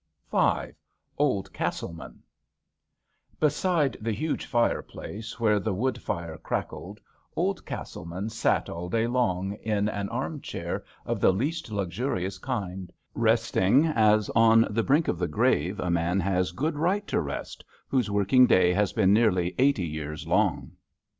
25 OLD CASTLEMAN Beside the huge firepkce, where the wood fire crackled, old Casdeman sat all day long in an arm chair of the least luxurious kind, resting, as on the brink of the grave a man has good right to rest whose working day has been nearly eighty years long.